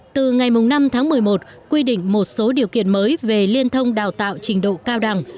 từ ngày năm tháng một mươi một quy định một số điều kiện mới về liên thông đào tạo trình độ cao đẳng